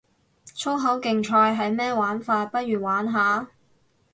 粗口競賽係咩玩法，不如玩下